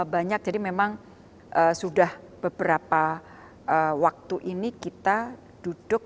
banyak jadi memang sudah beberapa waktu ini kita duduk